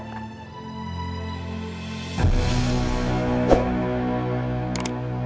bapak sudah menerima perhatian yang terbaik